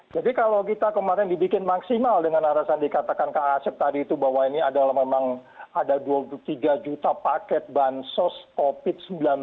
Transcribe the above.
jadi kalau kita kemarin dibikin maksimal dengan arah yang dikatakan kak asep tadi itu bahwa ini adalah memang ada dua puluh tiga juta paket bahan sos covid sembilan belas